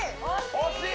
惜しい！